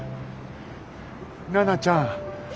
奈々ちゃん。